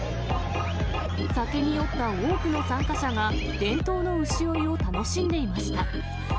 酒に酔った多くの参加者が、伝統の牛追いを楽しんでいました。